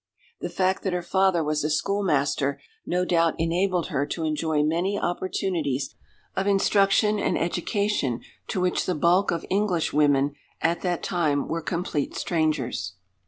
The fact that her father was a schoolmaster no doubt enabled her to enjoy many opportunities of instruction and education to which the bulk of Englishwomen at that time were complete strangers.